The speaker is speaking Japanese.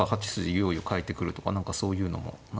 いよいよ換えてくるとか何かそういうのも何か。